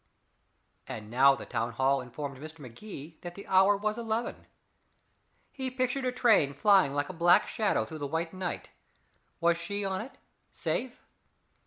And now the town hall informed Mr. Magee that the hour was eleven. He pictured a train flying like a black shadow through the white night. Was she on it safe?